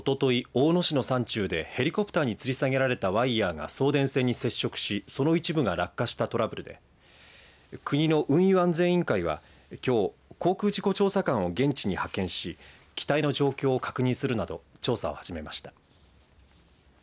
大野市の山中でヘリコプターにつり下げられたワイヤーが送電線に接触しその一部が落下したトラブルで国の運輸安全委員会は、きょう航空事故調査官を現地に派遣し機体の状況を確認するなど調査を始めました。